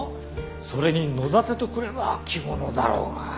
それに野点とくれば着物だろうが。